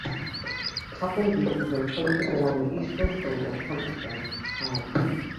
Tappen Beach is located along the eastern shore of Hempstead Harbor.